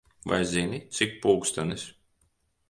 Vai zini, cik pulkstenis?